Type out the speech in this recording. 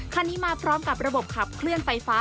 คันนี้มาพร้อมกับระบบขับเคลื่อนไฟฟ้า